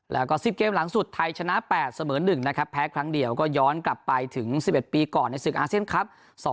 แล้วก็๑๐เกมหลังสุดไทยชนะ๘เสมอ๑นะครับแพ้ครั้งเดียวก็ย้อนกลับไปถึง๑๑ปีก่อนในศึกอาเซียนครับ